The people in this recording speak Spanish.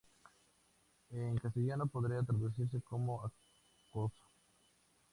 En castellano podría traducirse como "¿Acaso...?